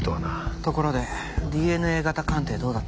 ところでＤＮＡ型鑑定どうだった？